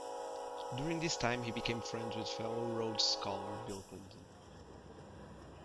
During this time he became friends with fellow Rhodes scholar Bill Clinton.